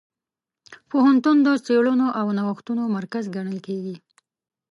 پوهنتون د څېړنو او نوښتونو مرکز ګڼل کېږي.